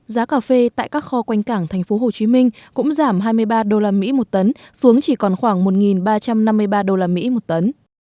giá cà phê tại các kho quanh cảng thành phố hồ chí minh cũng giảm hai mươi ba đô la mỹ một tấn xuống chỉ còn khoảng một ba trăm năm mươi ba đô la mỹ một tấn